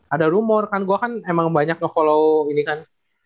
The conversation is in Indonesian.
ada rumor kan gue kan emang banyak nge follow ini kan